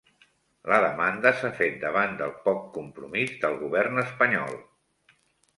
La demanda s'ha fet davant del poc compromís del govern espanyol